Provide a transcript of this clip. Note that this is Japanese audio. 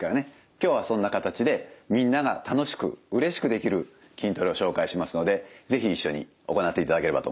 今日はそんな形でみんなが楽しくうれしくできる筋トレを紹介しますので是非一緒に行っていただければと思います。